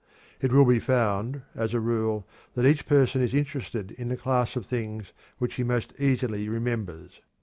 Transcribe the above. It will be found, as a rule, that each person is interested in the class of things which he most easily remembers.